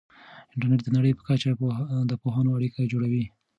انټرنیټ د نړۍ په کچه د پوهانو اړیکه جوړوي.